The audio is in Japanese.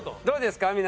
どうですか？